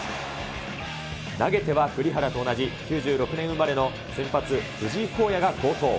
投げては、栗原と同じ９６年生まれの先発、藤井皓哉が好投。